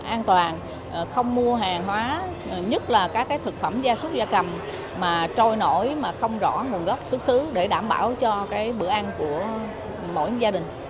an toàn không mua hàng hóa nhất là các cái thực phẩm gia súc gia cầm mà trôi nổi mà không rõ nguồn gốc xuất xứ để đảm bảo cho bữa ăn của mỗi gia đình